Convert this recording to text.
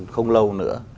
không lâu nữa